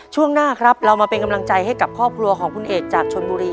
ช่วงหน้าครับเรามาเป็นกำลังใจให้กับครอบครัวของคุณเอกจากชนบุรี